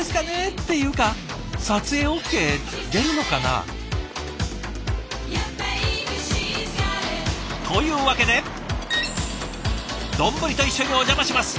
っていうか撮影ＯＫ出るのかな？というわけで丼と一緒にお邪魔します！